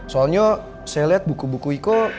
soalnya saya lihat buku buku iko